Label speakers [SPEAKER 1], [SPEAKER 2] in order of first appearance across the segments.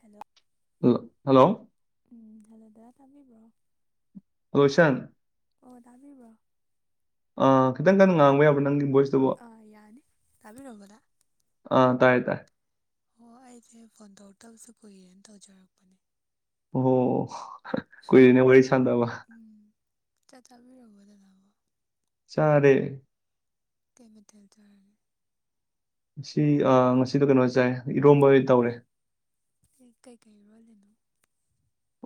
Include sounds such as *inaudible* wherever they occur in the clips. [SPEAKER 1] Hello
[SPEAKER 2] hello hello
[SPEAKER 1] ꯎꯝ hello ꯗꯗꯥ ꯇꯥꯕꯤꯕ꯭ꯔꯣ
[SPEAKER 2] ꯑꯣ ꯏꯆꯟ
[SPEAKER 1] ꯑꯣ ꯇꯥꯕꯥꯕ꯭ꯔꯣ
[SPEAKER 2] ꯑ ꯈꯤꯇꯪ ꯀꯟꯅ ꯉꯥꯡꯕ ꯌꯥꯕ ꯅꯪꯒꯤ ꯚꯣꯏꯁ
[SPEAKER 1] ꯑꯥ ꯌꯥꯅꯤ ꯇꯥꯕꯤꯔꯕꯣ ꯗꯥ
[SPEAKER 2] ꯑꯥ ꯇꯥꯏ ꯇꯥꯏ
[SPEAKER 1] ꯑꯣ ꯑꯩꯁꯦ ꯐꯣꯟ ꯇꯧꯔꯛꯇꯕꯁꯨ ꯀꯨꯏꯔꯦꯅ ꯇꯧꯖꯔꯛꯄꯅꯦ
[SPEAKER 2] ꯑꯣ ꯀꯨꯏꯔꯦꯅꯦ ꯋꯥꯔꯤ ꯁꯥꯟꯗꯕ
[SPEAKER 1] ꯎꯝ ꯆꯥꯛ ꯆꯥꯕꯤꯔꯕꯣ ꯗꯥꯗꯥꯕꯣ
[SPEAKER 2] ꯆꯥꯔꯦ
[SPEAKER 1] ꯀꯩ ꯃꯗꯦꯜ ꯇꯔꯦ
[SPEAKER 2] ꯁꯤ ꯑꯥ ꯉꯁꯤꯗꯣ ꯀꯩꯅꯣ ꯆꯥꯏ ꯏꯔꯣꯝꯕ ꯑꯣꯏꯅꯥ ꯇꯧꯔꯦ
[SPEAKER 1] ꯀꯩꯀꯩ ꯔꯣꯜꯂꯤꯅꯣ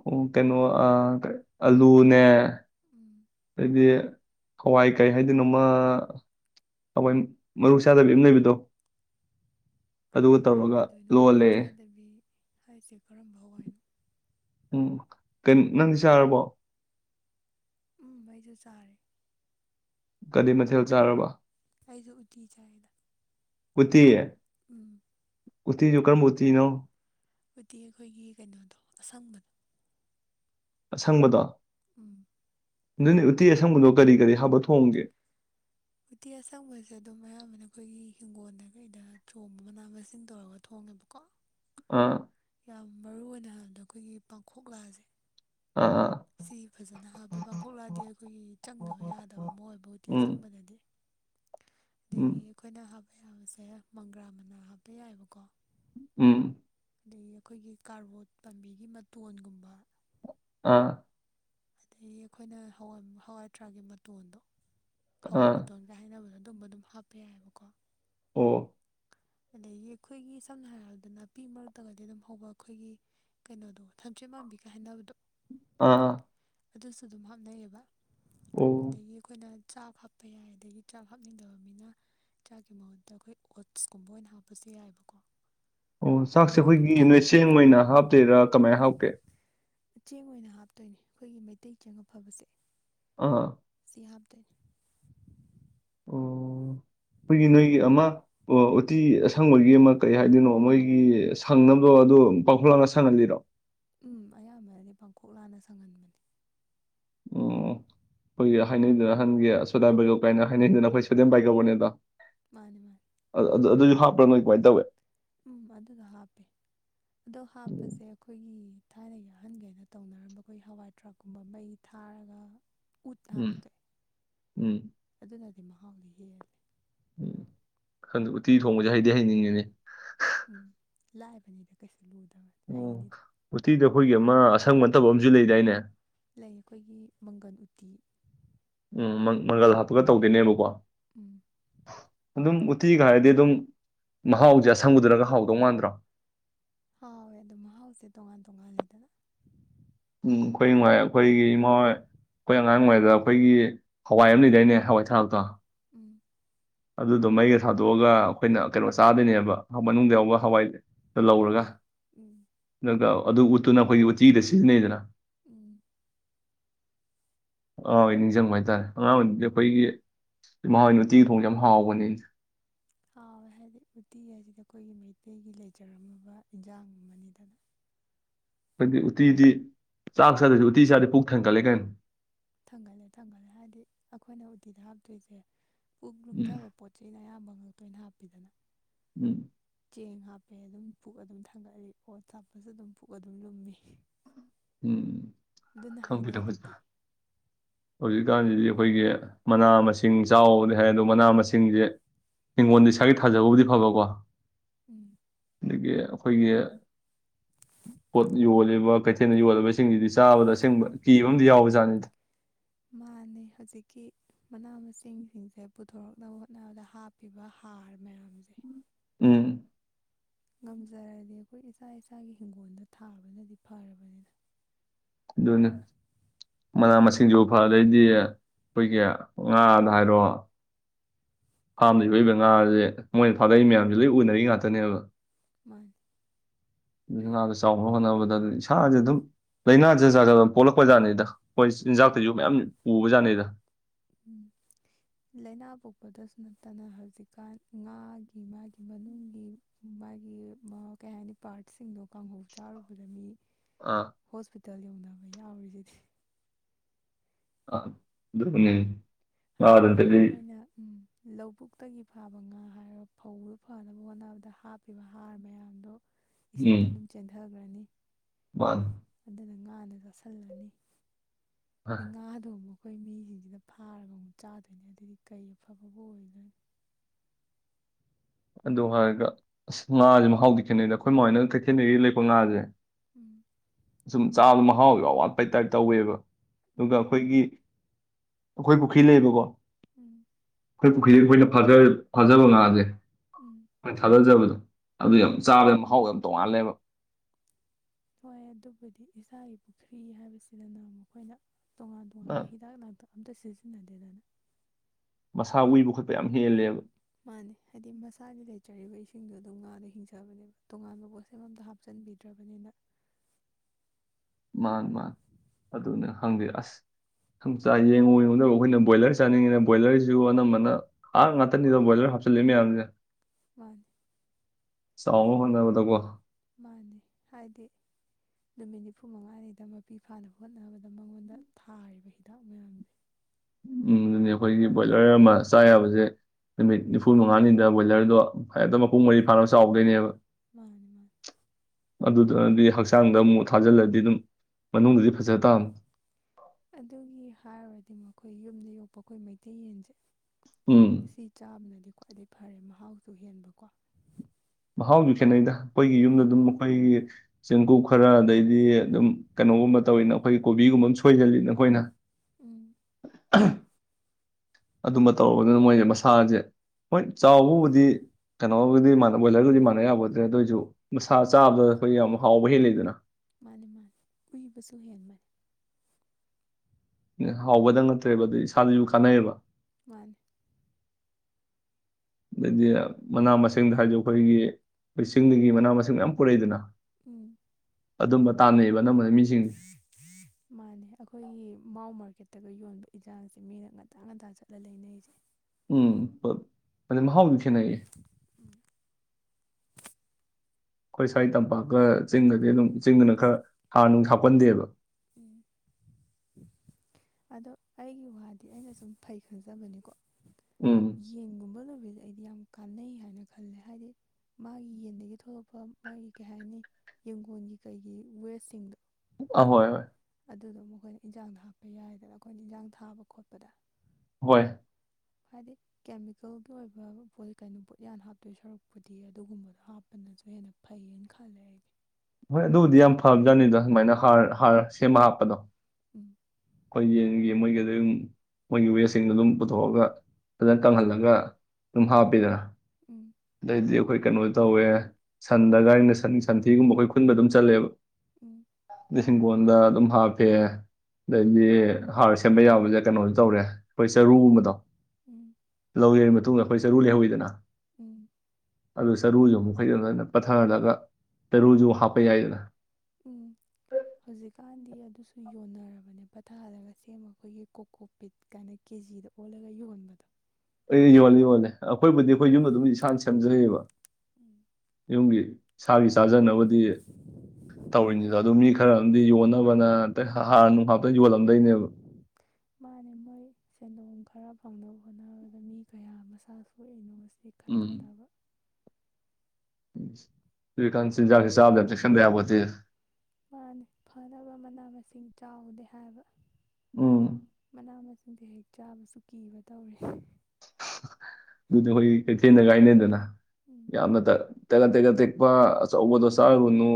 [SPEAKER 2] ꯑꯣ ꯀꯩꯅꯣ ꯑꯥ ꯑꯂꯨꯅꯦ
[SPEAKER 1] ꯎꯝ
[SPEAKER 2] ꯍꯥꯏꯗꯤ ꯍꯋꯥꯏ ꯀꯩ ꯍꯥꯏꯗꯣꯏꯅꯣꯃ ꯍꯋꯥꯏ ꯃꯔꯨ ꯆꯥꯗꯕꯤ ꯑꯃ ꯂꯩꯕꯗꯣ ꯑꯗꯨꯒ
[SPEAKER 1] ꯀꯔꯝꯕ
[SPEAKER 2] ꯇꯧꯔꯒ
[SPEAKER 1] ꯑꯣꯏꯗꯣꯏꯅꯣ ꯃꯔꯨ
[SPEAKER 2] ꯂꯣꯜꯂꯦ
[SPEAKER 1] ꯆꯥꯗꯕꯤ ꯍꯥꯏꯁꯦ ꯀꯔꯝ
[SPEAKER 2] ꯎꯝ ꯀꯩꯅꯣ ꯅꯪꯗꯤ ꯆꯥꯔꯕꯣ
[SPEAKER 1] ꯎꯝ ꯑꯩꯁꯨ ꯆꯥꯔꯦ
[SPEAKER 2] ꯀꯔꯤ ꯃꯊꯦꯜ ꯆꯥꯔꯔꯕ
[SPEAKER 1] ꯑꯩꯖꯨ ꯎꯇꯤ ꯆꯔꯦ
[SPEAKER 2] ꯎꯇꯤ
[SPEAKER 1] ꯎꯝ
[SPEAKER 2] ꯎꯇꯤ ꯀꯔꯝꯕ ꯎꯇꯤꯅꯣ
[SPEAKER 1] ꯎꯇꯤ ꯑꯩꯈꯣꯏꯒꯤ ꯀꯩꯅꯣꯗꯣ ꯑꯁꯪꯕꯗꯣ
[SPEAKER 2] ꯑꯁꯪꯕꯗꯣ
[SPEAKER 1] ꯎꯝ
[SPEAKER 2] ꯅꯪꯅꯦ ꯎꯠꯇꯤ ꯑꯁꯪꯕꯗꯣ ꯀꯔꯤ ꯀꯔꯤ ꯍꯞꯄꯥ ꯊꯣꯡꯒꯦ
[SPEAKER 1] ꯎꯇꯤ ꯑꯁꯪꯕꯁꯦ ꯑꯗꯨꯝ ꯑꯌꯥꯝꯕꯅ ꯑꯩꯈꯣꯏꯒꯤ ꯍꯤꯡꯒꯣꯜꯗ ꯀꯩꯗ ꯆꯣꯡꯕ ꯃꯅꯥ ꯃꯁꯤꯡ ꯇꯧꯔꯒ ꯊꯣꯡꯉꯦꯕꯀꯣ
[SPEAKER 2] ꯑꯥ
[SPEAKER 1] ꯃꯔꯨꯑꯣꯏꯅ ꯑꯩꯈꯣꯏꯒꯤ ꯄꯥꯡꯈꯣꯛꯂꯥꯥꯁꯦ ꯁꯤ ꯐꯖꯅ ꯍꯥꯞꯄꯦ ꯄꯥꯡꯈꯣꯛꯂꯛꯑꯗꯤ ꯑꯩꯈꯣꯏꯒꯤ ꯆꯪꯗꯕ ꯌꯥꯗꯕ ꯑꯃ ꯑꯣꯏꯕ ꯎꯠꯇꯤ ꯑꯁꯪꯕꯗꯗꯤ ꯑꯗꯒꯤ ꯑꯩꯈꯣꯏꯅ ꯁꯦ ꯃꯪꯒ꯭ꯔꯥ ꯃꯅꯥ ꯍꯥꯞꯄ ꯌꯥꯏꯑꯕꯀꯣ
[SPEAKER 2] ꯎꯝ
[SPEAKER 1] ꯑꯗꯒꯤ ꯑꯩꯈꯣꯏꯒꯤ ꯀꯥꯔꯕꯣꯠ ꯄꯥꯝꯕꯤꯒꯤ ꯃꯇꯣꯟꯒꯨꯝꯕ
[SPEAKER 2] ꯑꯥ
[SPEAKER 1] ꯑꯗꯒꯤ ꯑꯩꯈꯣꯏꯅ ꯍꯋꯥꯏꯊꯔꯥꯛꯒꯤ ꯃꯇꯣꯟꯗꯣ ꯍꯋꯥꯏ
[SPEAKER 2] ꯑꯥ
[SPEAKER 1] ꯃꯇꯣꯟꯒ ꯍꯥꯏꯅꯕꯗꯨꯅꯦ ꯑꯗꯨꯝ ꯍꯥꯞꯄ ꯌꯥꯏꯕꯀꯣ
[SPEAKER 2] ꯑꯣ
[SPEAKER 1] ꯑꯗꯒꯤ ꯑꯩꯈꯣꯏꯒꯤ ꯁꯝꯅ ꯍꯥꯏꯔꯕꯗ ꯅꯥꯄꯤ ꯃꯔꯛꯇꯒꯗꯤ ꯑꯗꯨꯝ ꯍꯧꯕ ꯑꯩꯈꯣꯏꯒꯤ ꯀꯩꯅꯣꯗꯣ ꯊꯝꯆꯦꯠ ꯃꯥꯟꯕꯤꯒ ꯍꯥꯏꯕꯗꯣ
[SPEAKER 2] ꯑꯥ
[SPEAKER 1] ꯑꯗꯨꯁꯨ ꯑꯗꯨꯝ ꯍꯥꯞꯅꯩꯑꯕ
[SPEAKER 2] ꯑꯣ
[SPEAKER 1] ꯑꯗꯒꯤ ꯑꯩꯈꯣꯏꯅ ꯆꯥꯛ ꯍꯥꯞꯄ ꯌꯥꯏ ꯑꯗꯒꯤ ꯆꯥꯛ ꯍꯥꯞꯅꯤꯡꯗꯕ ꯃꯤꯅ ꯆꯥꯛꯀꯤ ꯃꯍꯨꯠꯇ ꯑꯩꯈꯣꯏ ꯑꯣꯠꯁꯀꯨꯝꯕ ꯑꯣꯏꯅ ꯍꯥꯞꯄꯁꯨ ꯌꯥꯏꯑꯕꯀꯣ
[SPEAKER 2] ꯑꯣ ꯆꯥꯛꯁꯦ
[SPEAKER 1] ꯑꯗꯨꯒ ꯑꯗꯨꯝ
[SPEAKER 2] ꯑꯩꯈꯣꯏꯒꯤ ꯅꯣꯏ
[SPEAKER 1] ꯊꯣꯡꯉꯦ
[SPEAKER 2] ꯆꯦꯡ ꯑꯣꯏꯅ ꯍꯥꯞꯇꯣꯏꯔꯥ ꯀꯃꯥꯏ ꯍꯥꯞꯀꯦ
[SPEAKER 1] ꯆꯦꯡ ꯑꯣꯏꯅ ꯍꯥꯞꯇꯣꯏꯅꯦ ꯑꯩꯈꯣꯏꯒꯤ ꯃꯩꯇꯩ ꯆꯦꯡ ꯑꯐꯕꯁꯦ
[SPEAKER 2] ꯑꯥ
[SPEAKER 1] *unintelligible*
[SPEAKER 2] ꯑꯣ ꯍꯣꯏꯌꯤ ꯅꯣꯏꯒꯤ ꯑꯃ ꯑꯥ ꯎꯇꯤ ꯑꯁꯪꯕꯒꯤ ꯑꯃꯥ ꯀꯔꯤ ꯍꯥꯏꯗꯣꯏꯅꯣ ꯃꯣꯏꯒꯤ ꯁꯪꯅꯕꯗꯣ ꯑꯗꯨꯗꯣ ꯄꯥꯡꯈꯣꯛꯂꯥꯅ ꯁꯪꯍꯜꯂꯤꯔꯣ꯫
[SPEAKER 1] ꯎꯝ ꯑꯌꯥꯝꯕꯅꯗꯤ ꯄꯥꯡꯈꯣꯛ ꯂꯥꯅ ꯁꯪꯍꯟꯕꯅꯤ꯫
[SPEAKER 2] ꯑꯣ ꯑꯩꯈꯣꯏꯒꯤ ꯍꯥꯏꯅꯩꯗꯅ ꯑꯍꯟꯒꯤ ꯁꯣꯗꯥ ꯕꯦꯒꯞ ꯀꯥꯏꯅ ꯍꯥꯏꯅꯩꯗꯅ ꯑꯩꯈꯣꯏ ꯁꯣꯗꯤꯌꯝ ꯕꯥꯏ ꯀꯥꯔꯕꯣꯅꯦꯠꯇꯣ꯫
[SPEAKER 1] ꯃꯥꯅꯦ ꯃꯥꯅꯦ
[SPEAKER 2] ꯑ ꯑꯗꯨꯏꯗꯨ꯫ ꯍꯥꯞꯄꯔꯥ ꯅꯣꯏ ꯀꯃꯥꯏꯅ ꯇꯧꯏ꯫
[SPEAKER 1] ꯎꯝ ꯑꯗꯨꯗꯣ ꯍꯥꯞꯄꯦ ꯑꯗꯣ ꯍꯥꯞꯄꯁꯦ
[SPEAKER 2] ꯎꯝ
[SPEAKER 1] ꯑꯩꯈꯣꯏꯒꯤ꯫ ꯊꯥꯏꯅꯒꯤ ꯑꯍꯟꯒꯩꯅ ꯇꯧꯅꯔꯝꯕ ꯑꯩꯈꯣꯏꯒꯤ ꯍꯋꯥꯏ ꯇ꯭ꯔꯥꯛꯀꯨꯝꯕ ꯃꯩ ꯊꯥꯔꯒ꯫ ꯎꯠꯇ ꯍꯥꯞꯄꯗ
[SPEAKER 2] ꯎꯝ
[SPEAKER 1] ꯑꯗꯨ ꯅ *inaudible*
[SPEAKER 2] ꯎꯝ ꯈꯪꯗꯦ ꯎꯇꯤ ꯊꯣꯡꯕꯁꯦ ꯍꯩꯗꯤ ꯍꯩꯅꯤꯡꯉꯤꯅꯦ꯫
[SPEAKER 1] ꯎꯝ ꯂꯥꯏꯕꯅꯦꯗ ꯀꯩꯁꯨ ꯂꯨꯗꯕꯅꯤ
[SPEAKER 2] ꯎꯝ
[SPEAKER 1] ꯍꯩꯅꯤꯗ
[SPEAKER 2] ꯎꯇꯤꯗꯨ ꯑꯩꯈꯣꯏꯒꯤ ꯑꯃ ꯑꯁꯪꯕ ꯅꯠꯇꯕ ꯑꯃꯁꯨ ꯂꯩꯗꯥꯏꯅꯦ꯫
[SPEAKER 1] ꯂꯩ ꯑꯩꯈꯣꯏꯒꯤ ꯃꯪꯒꯟ ꯎꯇꯤ꯫
[SPEAKER 2] ꯎꯝ ꯃꯪꯒꯜ ꯍꯥꯞꯄꯒ ꯇꯧꯗꯣꯏꯅꯦꯕꯀꯣ꯫
[SPEAKER 1] ꯎꯝ
[SPEAKER 2] ꯑꯗꯨꯝ ꯎ ꯎꯇꯤꯒ ꯍꯥꯏꯔꯗꯤ ꯑꯗꯨꯝ ꯃꯍꯥꯎꯁꯦ ꯑꯁꯪꯕꯗꯨꯅꯒ ꯍꯥꯎꯗꯧ ꯃꯥꯟꯗ꯭ꯔꯣ
[SPEAKER 1] ꯍꯥꯎꯋꯦ ꯑꯗꯨ ꯃꯍꯥꯎꯁꯦ ꯇꯣꯉꯥꯟ ꯇꯣꯉꯥꯟꯂꯤꯗꯅ
[SPEAKER 2] ꯎꯝ ꯑꯩꯈꯣꯏ ꯑꯩꯈꯣꯏꯒꯤ ꯏꯃꯥ ꯑꯩꯈꯣꯏ ꯑꯉꯥꯡ ꯑꯣꯏꯉꯩꯗ ꯑꯩꯈꯣꯏꯒꯤ ꯍꯋꯥꯏ ꯑꯃ ꯂꯩꯗꯣꯏꯅꯦ ꯍꯋꯥꯏ ꯊꯔꯥꯛ ꯇꯣ
[SPEAKER 1] ꯎꯝ ꯎꯝ
[SPEAKER 2] ꯑꯗꯨꯗꯣ ꯃꯩꯒ ꯊꯥꯗꯣꯛꯑꯒ ꯑꯩꯈꯣꯏꯅ ꯀꯩꯅꯣ ꯆꯥꯗꯣꯏꯅꯦꯕ ꯃꯅꯨꯡꯗ ꯌꯥꯎꯕ ꯍꯋꯥꯏ ꯂꯧꯔꯒ
[SPEAKER 1] ꯎꯝ ꯎꯝ
[SPEAKER 2] ꯑꯗꯨꯒ ꯑꯗꯨ ꯎꯠꯇꯨꯅ ꯑꯩꯈꯣꯏꯒꯤ ꯎꯇꯤꯗ ꯁꯤꯖꯤꯟꯅꯩꯗꯅ
[SPEAKER 1] ꯎꯝ
[SPEAKER 2] ꯑꯥ ꯅꯤꯡꯁꯤꯡꯕ ꯍꯥꯏꯇꯥꯔꯦ ꯑꯉꯥꯡꯗꯤ ꯑꯩꯈꯣꯏꯒꯤ ꯏꯃꯥ ꯍꯣꯏꯅ ꯎꯇꯤ ꯊꯣꯡꯕꯁꯦ ꯌꯥꯝ ꯍꯥꯎꯕꯅꯦ
[SPEAKER 1] ꯍꯥꯎꯋꯦ ꯍꯥꯏꯗꯤ ꯎꯇꯤ ꯍꯥꯏꯁꯤꯗꯤ ꯑꯩꯈꯣꯏꯒꯤ ꯃꯩꯇꯩꯒꯤ ꯂꯩꯖꯔꯝꯃꯕ ꯏꯟꯖꯥꯡ ꯑꯃꯅꯤꯗꯅ
[SPEAKER 2] ꯑꯩꯈꯣꯏꯗꯤ ꯎꯇꯤꯗꯤ ꯆꯥꯛ ꯆꯥꯗ꯭ꯔꯁꯨ ꯎꯇꯤ ꯆꯥꯔꯗꯤ ꯄꯨꯛ ꯊꯦꯟꯒꯠꯂꯦ ꯀꯥꯏꯅ
[SPEAKER 1] ꯊꯟꯒꯠꯂꯦ ꯊꯟꯒꯠꯂꯦ ꯍꯥꯏꯕꯗꯤ ꯑꯩꯈꯣꯏꯅ ꯎꯠꯇꯤꯗ ꯍꯥꯞꯇꯣꯏꯁꯦ ꯄꯨꯛ
[SPEAKER 2] ꯎꯝ
[SPEAKER 1] ꯂꯨꯝꯊꯕ ꯄꯣꯠ ꯆꯩꯅ ꯑꯌꯥꯝꯕ ꯇꯣꯏꯅ ꯍꯥꯞꯄꯤꯗꯅ
[SPEAKER 2] ꯎꯝ
[SPEAKER 1] ꯆꯦꯡ ꯍꯥꯞꯄꯦ ꯑꯗꯨꯝ ꯄꯨꯛ ꯑꯗꯨꯝ ꯊꯥꯡꯒꯠꯂꯤ ꯑꯣꯠ ꯍꯥꯞꯄꯁꯨ ꯑꯗꯨꯝ ꯄꯨꯛ ꯑꯗꯨꯝ ꯂꯨꯝꯃꯤ
[SPEAKER 2] ꯎꯝ
[SPEAKER 1] ꯑꯗꯨꯅ ꯍꯥꯏꯅꯩꯗꯨꯗꯤ
[SPEAKER 2] *unintelligible* ꯍꯧꯖꯤꯛꯀꯥꯟꯁꯤꯗꯤ ꯑꯩꯈꯣꯏꯒꯤ ꯃꯅꯥ ꯃꯁꯤꯡ ꯆꯥꯎꯗꯤ ꯍꯥꯏ ꯑꯗꯣ ꯃꯅꯥ ꯃꯁꯤꯡꯁꯦ ꯍꯤꯡꯒꯣꯜꯗꯤ ꯏꯁꯥꯒꯤ ꯊꯥꯖꯕꯕꯨꯗꯤ ꯐꯕꯀꯣ
[SPEAKER 1] ꯎꯝ
[SPEAKER 2] ꯑꯗꯒꯤ ꯑꯩꯈꯣꯏꯒꯤ ꯄꯣꯠ ꯌꯣꯜꯂꯤꯕ ꯀꯩꯊꯦꯜꯗ ꯌꯣꯜꯂꯤꯕꯁꯤꯡꯁꯤꯗꯤ ꯆꯥꯕꯗ ꯑꯁꯦꯡꯕ ꯀꯤꯕ ꯑꯃꯗꯤ ꯌꯥꯎꯕꯖꯥꯠꯅꯤꯗ
[SPEAKER 1] ꯃꯥꯅꯦ ꯍꯧꯖꯤꯛꯀꯤ ꯃꯅꯥ ꯃꯁꯤꯡꯁꯤꯡꯁꯦ ꯄꯨꯊꯣꯔꯛꯅꯕ ꯍꯣꯠꯅꯕꯗ ꯍꯥꯞꯄꯤꯕ ꯍꯥꯔ ꯃꯌꯥꯝꯖꯦ
[SPEAKER 2] ꯎꯝ
[SPEAKER 1] ꯉꯝꯖꯔꯗꯤ ꯑꯩꯈꯣꯏ ꯏꯁꯥ ꯏꯁꯥꯒꯤ ꯍꯤꯡꯒꯣꯜꯗ ꯊꯥꯕꯅꯗꯤ ꯐꯔꯕꯅꯤꯗ꯫
[SPEAKER 2] ꯑꯗꯨꯅꯤ ꯃꯅꯥ ꯃꯁꯤꯡꯁꯨ ꯐꯗꯩꯗꯤ ꯑꯩꯈꯣꯏꯒꯤ ꯉꯥꯗ ꯍꯥꯏꯔꯣ ꯐꯥꯝꯗꯩ ꯂꯩꯕ ꯉꯥꯥꯖꯦ ꯃꯣꯏꯅ ꯐꯥꯔꯛꯏ ꯃꯌꯥꯝꯖꯦ ꯂꯣꯏ ꯎꯅꯔꯤ ꯉꯥꯛꯇꯅꯦꯕ꯫
[SPEAKER 1] ꯃꯥꯅꯤ꯫
[SPEAKER 2] ꯉꯥꯗꯨ ꯆꯥꯎꯅꯕ ꯍꯣꯠꯅꯕꯗ ꯏꯁꯥꯖꯤ ꯑꯗꯨꯝ ꯂꯩꯅꯖꯦ ꯖꯥꯠ ꯖꯥꯠ ꯄꯣꯛꯂꯛꯄ ꯖꯥꯅꯤꯗ꯫ ꯍꯣꯏ ꯆꯤꯟꯖꯥꯛꯇꯩꯁꯨ ꯃꯌꯥꯝ ꯎꯕꯖꯥꯠꯅꯦꯗ
[SPEAKER 1] ꯂꯩꯅ ꯄꯣꯛꯄꯗꯁꯨ ꯅꯠꯇꯅ ꯍꯧꯖꯤꯛꯀꯥꯟ ꯉꯥꯒꯤ ꯃꯥꯒꯤ ꯃꯅꯨꯡꯒꯤ ꯃꯥꯒꯤ ꯀꯩ ꯍꯥꯏꯅꯤ ꯄꯥꯔꯠꯁꯤꯡꯗꯣ ꯀꯥꯡꯍꯧ ꯆꯥꯔꯨꯕꯗ ꯃꯤ
[SPEAKER 2] ꯑꯥ
[SPEAKER 1] ꯗꯥꯛꯇꯔ ꯌꯧꯅꯕ ꯌꯥꯎꯔꯤꯁꯤꯗꯤ꯫
[SPEAKER 2] ꯑꯥ ꯑꯗꯨꯨꯅꯦ
[SPEAKER 1] ꯍꯥꯏꯗꯤ ꯑꯩꯈꯣꯏꯅ ꯎꯝ ꯂꯧꯕꯨꯛꯇꯒꯤ ꯐꯥꯕ ꯉꯥ ꯍꯥꯏꯔꯣ ꯐꯧꯗꯨ ꯐꯅꯕ ꯍꯣꯠꯅꯕꯗ ꯍꯥꯞꯄꯤꯕ ꯍꯥꯔ ꯃꯌꯥꯝꯗꯣ ꯏꯁꯤꯡꯗ ꯑꯗꯨꯝ ꯆꯦꯟꯗꯒ꯭ꯔꯅꯤ
[SPEAKER 2] ꯃꯥꯟ
[SPEAKER 1] ꯑꯗꯨꯅ ꯉꯥꯅ ꯆꯥꯁꯜꯂꯅꯤ꯫ ꯗꯩ ꯉꯥꯗꯨ ꯑꯃꯨꯛ ꯑꯩꯈꯣꯏ ꯃꯤꯖꯤꯡꯁꯤꯅ ꯐꯥꯔꯒ ꯃꯨꯛ ꯆꯥꯗꯣꯏꯅꯦ ꯑꯗꯨꯗꯩ ꯀꯩ ꯑꯐꯕꯕꯨ ꯑꯣꯏꯗꯣꯏꯅꯣ꯫
[SPEAKER 2] ꯑꯗꯨ ꯍꯥꯏꯔꯒ ꯑꯁ ꯉꯥꯁꯦ ꯃꯍꯥꯎꯗꯤ ꯈꯦꯠꯅꯩꯗ ꯑꯩꯈꯣꯏ ꯃꯥ ꯍꯣꯏꯅ ꯀꯩꯊꯦꯜꯗꯩ ꯂꯩꯕ ꯉꯥꯖꯦ
[SPEAKER 1] ꯎꯝ꯫
[SPEAKER 2] ꯁꯨꯝ ꯆꯥꯕ ꯃꯍꯥꯎ ꯏꯋꯥꯠ ꯋꯥꯠꯄꯩ ꯇꯥꯏꯞ ꯇꯧꯋꯦꯕ꯫
[SPEAKER 1] ꯎꯝ
[SPEAKER 2] ꯑꯗꯨꯒ ꯑꯩꯈꯣꯏꯒꯤ ꯑꯩꯈꯣꯏ ꯄꯨꯈ꯭ꯔꯤ ꯂꯩꯑꯕꯀꯣ
[SPEAKER 1] ꯎꯝ꯫
[SPEAKER 2] ꯑꯩꯈꯣꯏ ꯄꯨꯈꯔꯤꯗꯩ ꯑꯩꯈꯣꯏꯅ ꯐꯥꯖꯔꯦ ꯐꯥꯖꯕ ꯉꯥꯖꯦ
[SPEAKER 1] ꯎꯝ
[SPEAKER 2] ꯑꯩꯈꯣꯏꯅ ꯊꯥꯗꯖꯕꯗꯣ ꯑꯗꯨ ꯌꯥꯝ
[SPEAKER 1] ꯎꯝ
[SPEAKER 2] ꯆꯥꯔꯦ ꯃꯍꯥꯎ ꯌꯥꯝ ꯇꯣꯉꯥꯜꯂꯦꯕ꯫
[SPEAKER 1] ꯍꯣꯏ ꯑꯗꯨꯕꯨꯗꯤ ꯏꯁꯥꯒꯤ ꯄꯨꯈ꯭ꯔꯤ ꯍꯥꯏꯕꯁꯤꯗꯅ ꯃꯈꯣꯏꯅ ꯇꯣꯉꯥꯟ ꯇꯣꯉꯥꯟꯕ
[SPEAKER 2] ꯑ,
[SPEAKER 1] ꯍꯤꯗꯥꯛ ꯂꯥꯛꯊꯛ ꯑꯗꯨꯏꯁꯨ ꯁꯤꯖꯟꯅꯗꯦꯗꯅ꯫
[SPEAKER 2] ꯃꯁꯥ ꯎꯏꯕ ꯈꯣꯠꯄ ꯌꯥꯝ ꯍꯦꯜꯂꯦꯕ꯫
[SPEAKER 1] ꯃꯥꯅꯦ ꯍꯥꯏꯗꯤ ꯃꯁꯥꯒꯤ ꯂꯩꯖꯔꯤꯕ ꯏꯁꯤꯡꯗꯣ ꯑꯗꯨꯝ ꯉꯥꯗ ꯍꯤꯡꯖꯕꯅꯦꯕ ꯇꯣꯉꯥꯟꯕ ꯄꯣꯠꯁꯦꯝ ꯑꯝꯇ ꯍꯥꯞꯆꯤꯟꯕꯤꯗ꯭ꯔꯕꯅꯤꯅ
[SPEAKER 2] ꯃꯥꯅꯤ ꯃꯥꯥꯅꯤ ꯑꯗꯨꯅꯦ ꯈꯪꯗꯦ ꯑꯁ ꯌꯦꯟ ꯆꯥꯅꯤꯡꯉꯦ ꯑꯩꯈꯣꯏꯅ ꯕꯣꯏꯂꯔ ꯆꯥꯅꯤꯡꯉꯦꯅ ꯕꯣꯏꯂꯔꯖꯦ ꯑꯅꯝꯕꯅ ꯍꯥꯔ ꯉꯥꯛꯇꯅꯤꯗꯣ ꯕꯣꯏꯂꯔ ꯍꯥꯞꯆꯤꯜꯂꯤ ꯃꯌꯥꯝꯖꯦ꯫
[SPEAKER 1] ꯃꯥꯅꯤ꯫
[SPEAKER 2] ꯆꯥꯎꯅꯕ ꯍꯣꯠꯅꯕꯗ ꯀꯣ
[SPEAKER 1] ꯃꯥꯅꯤ ꯍꯥꯏꯗꯤ ꯅꯨꯃꯤꯠ ꯅꯤꯐꯨ ꯃꯉꯥꯅꯤꯗ ꯃꯄꯤ ꯐꯥꯅꯕ ꯍꯣꯠꯅꯕꯗ ꯃꯉꯣꯟꯗ ꯊꯥꯔꯤꯕ ꯍꯤꯗꯥꯛ ꯃꯌꯥꯝꯖꯦ
[SPEAKER 2] ꯎꯝ ꯑꯗꯨꯅꯦ ꯑꯩꯈꯣꯏꯒꯤ ꯕꯣꯏꯂꯔ ꯑꯃ ꯆꯥ ꯌꯥꯕꯖꯦ ꯅꯨꯃꯤꯠ ꯅꯤꯐꯨ ꯃꯉꯥꯅꯤꯗ ꯕꯣꯏꯂꯔꯗꯣ ꯍꯦꯛꯇ ꯃꯄꯨꯡ ꯃꯔꯩ ꯐꯥꯅꯕ ꯆꯥꯎꯗꯣꯏꯅꯦꯕ꯫
[SPEAKER 1] ꯃꯥꯅꯦ ꯃꯥꯅꯦ꯫
[SPEAKER 2] ꯑꯗꯨꯗꯨꯅꯗꯤ ꯍꯛꯆꯥꯡꯗ ꯑꯃꯨꯛ ꯊꯥꯖꯤꯜꯂꯗꯤ ꯑꯗꯨꯝ ꯃꯅꯨꯡꯗꯗꯨꯗꯤ ꯐꯖ ꯇꯥꯝꯃꯦ
[SPEAKER 1] ꯑꯗꯨꯒꯤ ꯍꯥꯏꯔꯨꯔꯗꯤ ꯃꯈꯣꯏ ꯌꯨꯝꯗ ꯌꯣꯛꯄ ꯑꯩꯈꯣꯏ ꯃꯩꯇꯩ ꯌꯦꯟꯁꯦ
[SPEAKER 2] ꯎꯝ
[SPEAKER 1] ꯁꯤ ꯆꯥꯕꯅꯗꯤ ꯈ꯭ꯋꯥꯏꯗꯩ ꯐꯔꯦ ꯃꯍꯥꯎꯁꯨ ꯍꯦꯟꯕꯀꯣ
[SPEAKER 2] ꯍꯥꯎꯁꯨ ꯈꯦꯠꯅꯩꯗ ꯑꯩꯈꯣꯏꯒꯤ ꯌꯨꯝꯗ
[SPEAKER 1] ꯎꯝ
[SPEAKER 2] ꯑꯗꯨꯝ ꯑꯩꯈꯣꯏꯒꯤ ꯆꯦꯡꯀꯨꯞ ꯈꯔ ꯑꯗꯩꯗꯤ ꯑꯗꯨꯝ ꯀꯩꯅꯣꯒꯨꯝꯕ ꯇꯧꯔꯤꯅ ꯑꯩꯈꯣꯏꯒꯤ ꯀꯣꯕꯤꯒꯨꯝꯕ ꯁꯣꯏꯍꯜꯂꯤꯅ ꯑꯩꯈꯣꯏꯅ *inaudible*
[SPEAKER 1] ꯎꯝ
[SPEAKER 2] ꯑꯗꯨꯝꯕ ꯇꯧꯔꯕꯅꯤꯅ ꯃꯣꯏꯁꯦ ꯃꯁꯥꯁꯦ ꯍꯣꯏ ꯆꯥꯎꯕꯕꯨꯗꯤ ꯀꯩꯅꯣꯕꯨꯗꯤ ꯃꯥꯟꯅ ꯕꯣꯏꯂꯔꯒꯗꯤ ꯃꯥꯟꯅ ꯌꯥꯕꯣꯏꯗ꯭ꯔꯦ ꯑꯗꯨ ꯑꯣꯏꯁꯨ ꯃꯁꯥ ꯆꯥꯕꯗ ꯑꯩꯈꯣꯏ ꯌꯥꯝ ꯍꯥꯎꯕ ꯍꯦꯜꯂꯤꯗꯅ
[SPEAKER 1] ꯃꯥꯅꯤ ꯃꯥꯅꯦ ꯎꯏꯕꯁꯨ ꯍꯦꯟꯕꯅꯦ
[SPEAKER 2] ꯍꯥꯎꯕꯗꯪ ꯅꯠꯇ꯭ꯔꯦꯕ ꯑꯗꯨ ꯏꯁꯥꯗꯁꯨ ꯀꯥꯟꯅꯩꯑꯦꯕ
[SPEAKER 1] ꯃꯥꯅꯤ
[SPEAKER 2] ꯑꯗꯩꯗꯤ ꯃꯅꯥ ꯃꯁꯤꯡꯗ ꯍꯥꯏꯗꯤ ꯑꯩꯈꯣꯏꯒꯤ ꯑꯩꯈꯣꯏ ꯆꯤꯡꯗꯒꯤ ꯃꯅꯥ ꯃꯁꯤꯡ ꯃꯌꯥꯝ ꯄꯨꯔꯛꯏꯗꯅ
[SPEAKER 1] ꯎꯝ
[SPEAKER 2] ꯑꯗꯨꯝꯕ ꯇꯥꯟꯅꯩꯑꯦꯕ
[SPEAKER 1] ꯃꯟꯅꯦ ꯑꯩꯈꯣꯏꯒꯤ ꯃꯥꯎ ꯃꯥꯔꯀꯦꯠ *unintelligible* ꯌꯣꯟꯕ ꯏꯆꯥꯁꯦ ꯃꯤꯅ ꯉꯟꯇ ꯉꯟꯇ ꯆꯠꯂ ꯂꯩꯅꯩꯁꯦ꯫
[SPEAKER 2] ꯎꯝ ꯃ ꯃꯍꯥꯎꯗꯨ ꯈꯦꯠꯅꯩꯌꯦ ꯑꯩꯈꯣꯏ ꯁ꯭ꯋꯥꯏ ꯇꯝꯄꯥꯛꯀ ꯆꯤꯡꯒꯗꯤ ꯑꯗꯨꯝ ꯆꯤꯡꯗꯨꯅ ꯈꯔ ꯍꯥꯔ ꯅꯨꯡ ꯍꯥꯞꯀꯟꯗꯦꯕ꯫
[SPEAKER 1] ꯎꯝ ꯑꯗꯣ ꯑꯩꯒꯤ ꯋꯥꯗꯤ ꯑꯩꯅ ꯁꯨꯝ ꯐꯩ ꯈꯟꯖꯕꯅꯤꯀꯣ
[SPEAKER 2] ꯎꯝ
[SPEAKER 1] ꯌꯦꯟꯒꯨꯝꯕ ꯂꯣꯏ ꯑꯣꯏꯁꯦ ꯑꯩꯗꯤ ꯌꯥꯝ ꯀꯥꯟꯅꯩ ꯍꯥꯏꯅ ꯈꯜꯂꯦ ꯍꯥꯏꯗꯤ ꯃꯥꯒꯤ ꯌꯦꯟꯗꯒꯤ ꯊꯣꯛꯂꯛꯄ ꯃꯥꯒꯤ ꯀꯩ ꯍꯥꯏꯅꯤ ꯌꯦꯡꯒꯣꯟꯒꯤ ꯀꯩꯒꯤ ꯋꯦꯁꯁꯤꯡꯗꯣ
[SPEAKER 2] ꯑꯍꯣꯏ ꯍꯣꯏ
[SPEAKER 1] ꯑꯗꯨꯗꯣ ꯃꯈꯣꯏꯅ ꯏꯟꯖꯥꯡ ꯊ ꯍꯥꯞꯄ ꯌꯥꯏꯗꯅ ꯑꯩꯈꯣꯏꯅ ꯏꯟꯖꯥꯡ ꯊꯥꯕ ꯈꯣꯠꯄꯗ
[SPEAKER 2] ꯍꯣꯏ
[SPEAKER 1] ꯍꯥꯏꯗꯤ ꯀꯦꯃꯤꯀꯦꯜꯒꯤ ꯑꯣꯏꯕ ꯄꯣꯠ ꯀꯩꯅꯣ ꯄꯣꯠꯌꯥꯅ ꯍꯥꯞꯇꯣꯏ ꯁꯔꯨꯛꯄꯨꯗꯤ ꯑꯗꯨꯒꯨꯝꯕꯗꯣ ꯍꯥꯞꯄꯅꯁꯨ ꯍꯦꯟꯅ ꯐꯩꯌꯦꯅ ꯈꯜꯂꯦ ꯑꯩꯗꯤ
[SPEAKER 2] ꯍꯣꯏ ꯑꯗꯨꯕꯨꯗꯤ ꯌꯥꯝ ꯐꯕꯖꯥꯠꯅꯤꯗ ꯁꯨꯃꯥꯏꯅ ꯍꯥꯔ
[SPEAKER 1] ꯎꯝ
[SPEAKER 2] ꯍꯥꯔ ꯁꯦꯝꯃ ꯍꯥꯞꯄꯗꯣ
[SPEAKER 1] ꯎꯝ
[SPEAKER 2] ꯑꯩꯈꯣꯏ ꯌꯦꯟꯒꯤ ꯃꯣꯏꯒꯤ ꯑꯗꯨꯝ ꯃꯣꯏꯒꯤ ꯋꯦꯁꯁꯤꯡꯗꯨꯝ ꯑꯗꯨꯝ ꯄꯨꯊꯣꯛꯑꯒ ꯐꯖꯅ ꯀꯪꯍꯜꯂꯒ ꯑꯗꯨꯝ ꯍꯥꯞꯄꯤꯗꯅ
[SPEAKER 1] ꯎꯝ
[SPEAKER 2] ꯑꯗꯩꯗꯤ ꯑꯩꯈꯣꯏ ꯀꯩꯅꯣ ꯇꯧꯋꯦ ꯁꯟꯗꯒꯥꯥꯏꯅ ꯁꯟ ꯁꯟꯊꯤꯒꯨꯝꯕ ꯑꯩꯈꯣꯏ ꯈꯨꯟꯕ ꯑꯗꯨꯝ ꯆꯠꯂꯦꯕ꯫
[SPEAKER 1] ꯎꯝ ꯎꯝ
[SPEAKER 2] *unintelligible* ꯑꯗꯨꯅ ꯑꯗꯨꯝ ꯍꯥꯞꯄꯦ꯫
[SPEAKER 1] ꯎꯝ
[SPEAKER 2] *unintelligible* ꯁꯦꯝꯕ ꯌꯥꯕꯁꯦ ꯀꯩꯅꯣꯁꯨꯦ ꯇꯧꯔꯦ ꯑꯩꯈꯣꯏ ꯆꯔꯨꯒꯨꯝꯕꯗꯣ
[SPEAKER 1] ꯎꯝ
[SPEAKER 2] *unintelligible* ꯃꯇꯨꯡꯗ ꯑꯩꯈꯣꯏ ꯆꯔꯨ ꯂꯩꯍꯧꯏꯗꯅ
[SPEAKER 1] ꯎꯝ
[SPEAKER 2] ꯑꯗꯨ ꯆꯔꯨꯁꯨ ꯑꯃꯨꯛ ꯑꯩꯈꯣꯏꯒꯤꯗꯅ ꯄꯠꯊꯍꯜꯂꯒ ꯆꯔꯨꯁꯨ ꯍꯥꯞꯄ ꯌꯥꯏꯗꯅ꯫
[SPEAKER 1] ꯑꯝ ꯍꯧꯖꯤꯀꯥꯟꯗꯤ ꯑꯗꯨꯁꯨ ꯌꯣꯟꯅꯔꯕꯅꯦ ꯄꯊꯥꯗꯒ ꯁꯦꯝꯕ ꯑꯩꯈꯣꯏꯒꯤ ꯀꯣꯀꯣ ꯄꯤꯠ ꯀꯥꯏꯅ ꯀꯦꯖꯤꯗ ꯑꯣꯜꯂꯒ ꯌꯣꯟꯕꯗꯣ
[SPEAKER 2] ꯑꯩ ꯌꯣꯜꯂꯦ ꯌꯣꯜꯂꯦ ꯑꯩꯈꯣꯏꯕꯨꯗꯤ
[SPEAKER 1] ꯎꯝ
[SPEAKER 2] ꯑꯩꯈꯣꯏ ꯌꯨꯝ ꯑꯗꯨꯝ ꯏꯁꯥꯅ ꯁꯦꯝꯖꯩꯌꯦꯕ
[SPEAKER 1] ꯎꯝ
[SPEAKER 2] ꯌꯨꯝꯒꯤ ꯁꯕꯤ ꯆꯖꯅ ꯗꯨꯕꯨꯗꯤ ꯇꯧꯔꯤꯅꯤꯗ ꯑꯗꯨ ꯃꯤ ꯈꯔ ꯑꯃꯗꯤ
[SPEAKER 1] ꯃꯥꯅꯦ
[SPEAKER 2] ꯌꯣꯟꯅꯕꯅ ꯑ ꯍꯥꯔ ꯅꯨꯡꯍꯥꯛꯇ ꯌꯣꯜꯂꯝꯗꯣꯏꯅꯦꯕ
[SPEAKER 1] ꯃꯥꯅꯦ ꯃꯣꯏ ꯁꯦꯟꯗꯣꯡ ꯈꯔ ꯐꯪꯅꯕ ꯍꯣꯠꯅꯕꯗ ꯃꯤ ꯀꯌꯥ ꯃꯁꯥ ꯁꯣꯛꯏꯅꯣ ꯈꯟꯊꯗꯕ
[SPEAKER 2] ꯑꯝ ꯍꯑꯣꯖꯤꯛ ꯀꯟꯒꯤ ꯑꯦꯖꯦꯛꯁꯟ ꯆꯥꯕꯗ ꯌꯥꯝ ꯆꯦꯛꯁꯤꯟꯗ ꯌꯥꯄꯣꯠꯇꯦ
[SPEAKER 1] ꯁꯤꯡ ꯆꯥꯑꯣꯗꯤ ꯍꯥꯏꯕ
[SPEAKER 2] ꯑꯝ
[SPEAKER 1] ꯃꯅꯥ ꯃꯁꯤꯡꯁ ꯍꯦꯛ ꯆꯥꯕꯁꯨ ꯀꯤꯕ ꯇꯧꯔ
[SPEAKER 2] ꯑꯗꯨꯗꯤ ꯑꯩꯈꯣꯏ ꯀꯩꯊꯦꯜꯗ ꯀꯥꯏꯅꯦꯗꯅ
[SPEAKER 1] ꯎꯝ
[SPEAKER 2] ꯌꯥꯝꯅ ꯇ ꯇꯒ ꯇꯥꯒꯠꯄ ꯑꯆꯧꯕ ꯆꯔꯨ ꯅꯨ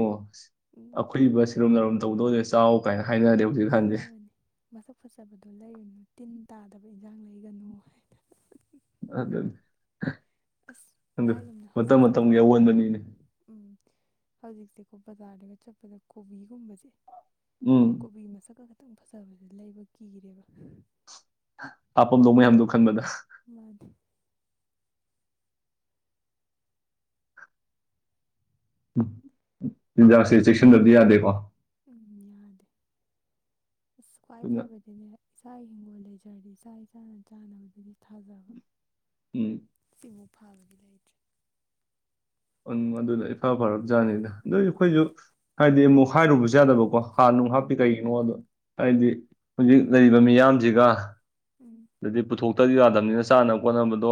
[SPEAKER 1] ꯎꯝ
[SPEAKER 2] ꯑꯈꯨꯏꯕ ꯁꯤꯔꯨꯝ ꯅꯥꯔꯨꯝꯝ ꯇꯧꯗꯧꯁꯦ ꯆꯥꯎ ꯀꯥꯏꯅ ꯍꯥꯏꯅꯔꯦ ꯍꯧꯖꯤꯛ ꯍꯟꯅꯤ
[SPEAKER 1] ꯍꯥꯏꯅꯕꯅꯤ ꯃꯁꯛ ꯐꯖꯕꯗꯣ ꯂꯩꯔꯨꯅꯨ ꯇꯤꯟ ꯇꯥꯗꯕ ꯏꯟꯁꯥꯡ ꯂꯩꯒꯅꯨ ꯍꯥꯏꯗꯅ
[SPEAKER 2] ꯑꯗꯟ
[SPEAKER 1] ꯑꯁ ꯍꯥꯏꯔꯤꯒꯨꯝꯅ ꯍꯧꯖꯤꯛꯁꯦꯀꯣ
[SPEAKER 2] ꯑꯑꯣꯟꯕꯅꯤꯅꯦ
[SPEAKER 1] ꯑꯃ ꯍꯧꯖꯤꯛꯁꯦꯀꯣ ꯕꯖꯥꯔꯗꯒ ꯆꯠꯄꯗ ꯀꯣꯕꯤꯒꯨꯝꯕꯁꯦ
[SPEAKER 2] ꯎꯝ
[SPEAKER 1] ꯀꯕꯤ ꯃꯁꯒ ꯐꯖꯕꯁꯦ ꯂꯩꯕ ꯀꯤꯔꯦꯕ
[SPEAKER 2] ꯍꯥꯥꯐꯝꯝꯗꯣ ꯃꯌꯥꯝꯗꯣ ꯈꯟꯕꯗ
[SPEAKER 1] ꯃꯟꯗꯦ
[SPEAKER 2] ꯑꯝ ꯆꯤꯟꯖꯥꯛꯁꯦ ꯆꯦꯛꯁꯤꯟꯗꯕ ꯌꯥꯗꯦꯀꯣ
[SPEAKER 1] ꯏ ꯈꯨꯋꯥꯏ
[SPEAKER 2] ꯑꯗꯨꯅ
[SPEAKER 1] ꯐꯕꯒꯤꯅꯤꯕ ꯏꯁꯥꯒꯤ ꯍꯤꯡꯒꯣꯜ ꯂꯩꯖꯔꯗꯤ ꯏꯁꯥ ꯏꯁꯥꯅ ꯆꯥꯅꯕꯗꯒꯤ ꯊꯥꯖꯕ
[SPEAKER 2] ꯑꯝ
[SPEAKER 1] ꯏꯝꯐꯥꯜꯁꯕꯨ ꯂꯩꯇꯦ
[SPEAKER 2] ꯑꯣꯝ ꯑꯗꯨꯅ ꯈꯐꯥꯔꯕ ꯖꯥꯠꯅꯤꯗ ꯑꯗꯨ ꯑꯩꯈꯣꯏꯁꯨ
[SPEAKER 1] ꯃꯥꯅꯦ
[SPEAKER 2] ꯍꯥꯏꯗꯤ ꯑꯃꯨꯛ ꯍꯥꯏꯔꯨꯕꯁꯨ ꯌꯥꯗꯕꯀꯣ ꯍꯔ ꯅꯨꯡ ꯍꯥꯞꯄꯤ
[SPEAKER 1] ꯎꯝ
[SPEAKER 2] ꯀꯩꯒꯤꯅꯣ ꯑꯗꯣ ꯍꯥꯏꯗꯤ
[SPEAKER 1] ꯎꯝ
[SPEAKER 2] ꯍꯧꯖꯤꯛ ꯂꯩꯔꯤꯕ ꯃꯤꯌꯥꯝꯖꯒ
[SPEAKER 1] ꯎꯝ
[SPEAKER 2] ꯑꯗꯨꯗꯤ ꯄꯨꯊꯣ ꯑꯗꯨ ꯌꯥꯗꯕꯅꯤꯅ ꯆꯥꯅꯕ ꯈꯣꯠꯅꯕꯗꯣ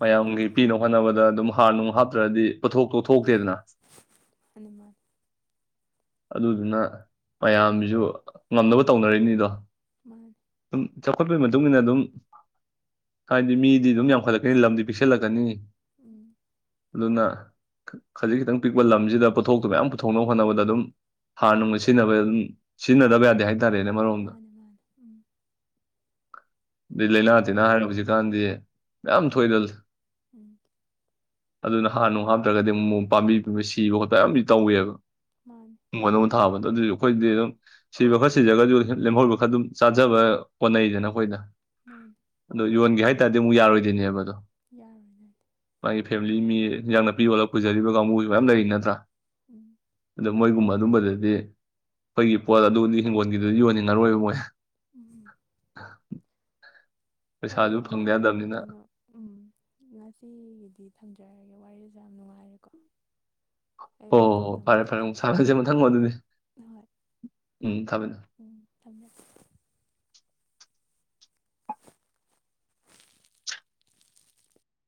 [SPEAKER 2] ꯃꯌꯥꯝꯒꯤ ꯄꯤꯅꯕ ꯍꯣꯠꯅꯕꯗ ꯑꯗ ꯑꯗꯨꯝ ꯍꯥꯔ ꯅꯨꯡ ꯍꯥꯞꯇ꯭ꯔꯗꯤ ꯄꯣꯠꯊꯣꯛꯇꯣ ꯊꯣꯛꯇꯦꯗꯅ꯫
[SPEAKER 1] ꯍꯅꯨꯃꯥꯟ
[SPEAKER 2] ꯑꯗꯨꯗꯨꯅ ꯃꯌꯥꯝꯁꯤꯁꯨ ꯉꯝꯅꯕ ꯇꯧꯅꯔꯛꯏꯅꯤꯗꯣ꯫
[SPEAKER 1] ꯃꯟꯅꯤ
[SPEAKER 2] ꯆꯥꯎꯈꯠꯄꯩ ꯃꯠ ꯃꯇꯨꯡ ꯏꯟꯅ ꯑꯗꯨꯝ ꯍꯥꯏꯗꯤ ꯃꯤꯗꯤ ꯑꯗꯨꯝ ꯌꯥꯝꯈꯠꯂꯛꯀꯅꯤ ꯂꯝꯗꯤ ꯄꯤꯛꯁꯜꯂꯛꯀꯅꯤ꯫
[SPEAKER 1] ꯎꯝ
[SPEAKER 2] ꯑꯗꯨꯅ ꯈꯖꯤꯛ ꯈꯤꯇꯪ ꯄꯤꯛꯄ ꯂꯝꯁꯤꯗ ꯄꯣꯊꯣꯛꯇꯣ ꯃꯌꯥꯝ ꯄꯨꯊꯣꯛꯅꯕ ꯍꯣꯠꯅꯕꯗ ꯑꯗꯨꯝ ꯍꯥꯔ ꯅꯨꯡꯒ ꯁꯤꯖꯤꯟꯅꯕ ꯑꯗꯨꯝ ꯁꯤꯖꯤꯟꯅꯗꯕ ꯌꯥꯗꯦ ꯍꯥꯏ
[SPEAKER 1] ꯃꯟꯅꯦ ꯃꯟꯅꯦ ꯎꯝ
[SPEAKER 2] ꯑꯗꯩ ꯂꯩꯅꯥ ꯇꯤꯅ
[SPEAKER 1] ꯍꯣꯏ
[SPEAKER 2] ꯍꯥꯏꯔꯦ ꯍꯧꯖꯤꯛꯀꯥꯟꯗꯤ ꯌꯥꯝ
[SPEAKER 1] ꯎꯝ
[SPEAKER 2] ꯊꯣꯛꯏꯗꯨꯅꯦ
[SPEAKER 1] ꯎꯝ
[SPEAKER 2] ꯑꯗꯨꯅ ꯍꯥꯔꯅꯨꯡ ꯍꯥꯞꯇ꯭ꯔꯒꯗꯤ ꯑꯃꯨꯛ ꯄꯥꯝꯕꯤ ꯍꯨꯝꯕ ꯁꯤꯕ ꯈꯣꯠꯄ ꯌꯥꯝꯗꯤ ꯇꯧꯋꯦꯕ
[SPEAKER 1] ꯃꯥꯅꯦ
[SPEAKER 2] ꯍꯤꯡꯒꯣꯟꯗ ꯊꯥꯕꯗꯣ ꯑꯗꯨꯏ ꯑꯩꯈꯣꯏꯗꯤ ꯑꯗꯨꯝ ꯁꯤꯕ ꯈꯔ ꯁꯤꯖꯒꯔꯁꯨ ꯂꯦꯝꯍꯧꯔꯤꯕ ꯈꯔ ꯑꯗꯨꯝ ꯆꯥꯖꯕ ꯀꯣꯟꯅꯩꯗꯅ ꯍꯣꯏꯅ
[SPEAKER 1] ꯃꯥꯅꯤ
[SPEAKER 2] ꯌꯣꯟꯒꯦ ꯍꯥꯏꯇꯥꯗꯤ ꯑꯃꯨꯛ ꯌꯥꯔꯣꯏꯗꯣꯏꯅꯦꯕ ꯑꯗꯣ
[SPEAKER 1] ꯌꯥꯔꯣꯏꯅ
[SPEAKER 2] ꯅꯪꯒꯤ ꯐꯦꯃꯤꯂꯤ ꯃꯤ ꯏꯟꯖꯥꯡ ꯅꯥꯄꯤ ꯌꯣꯜꯂꯒ ꯄꯨꯖꯔꯤꯕ ꯀꯥꯡꯕꯨ ꯃꯌꯥꯝ ꯂꯩꯔꯤ ꯅꯠꯇ꯭ꯔꯥ
[SPEAKER 1] ꯎꯝ
[SPEAKER 2] ꯑꯗꯣ ꯃꯣꯏꯒꯨꯝꯕ ꯑꯗꯨꯝꯕꯗꯗꯤ ꯑꯩꯈꯣꯏꯒꯤ ꯄꯣꯠ ꯑꯗꯨꯗꯤ ꯍꯤꯡꯒꯣꯜꯒꯤꯗꯨꯗꯤ ꯌꯣꯟꯅꯤꯡꯉꯔꯣꯏꯕ ꯃꯣꯏ
[SPEAKER 1] *unintelligible* ꯍꯣꯏ
[SPEAKER 2] ꯄꯩꯁꯥꯁꯨ ꯐꯪꯗ
[SPEAKER 1] ꯗꯗꯥ
[SPEAKER 2] ꯌꯥꯗꯕꯅꯤꯅ
[SPEAKER 1] ꯀꯩꯅꯣ ꯎꯝ ꯉꯁꯤꯒꯤꯗꯤ ꯊꯝꯖꯔꯒꯦ ꯋꯥꯔꯤ ꯌꯥꯝ ꯅꯨꯡꯉꯥꯏꯔꯦꯀꯣ ꯑꯩ ꯃꯇꯨꯡꯗ
[SPEAKER 2] ꯑꯣ ꯐꯔꯦ-ꯐꯔꯦ ꯑꯃꯨꯛ
[SPEAKER 1] ꯇꯧꯖꯔꯛꯑꯒꯦ
[SPEAKER 2] ꯁꯥꯅꯁꯦ ꯃꯊꯪ
[SPEAKER 1] ꯍꯣꯏ
[SPEAKER 2] *unintelligible* ꯎꯝ ꯊꯝꯃꯦ
[SPEAKER 1] ꯎꯝ ꯊꯝꯃꯦ